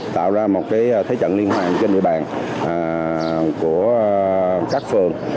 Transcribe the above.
tạo ra một thế trận liên hoàn trên địa bàn của các phường